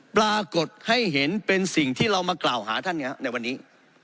ปรากฏให้เห็นเป็นสิ่งที่เรามากล่าวหาท่านในวันนี้